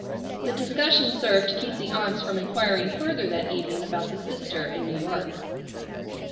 The discussion served to keep the aunts from inquiring further that evening about the sister in New York.